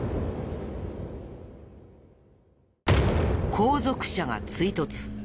後続車が追突。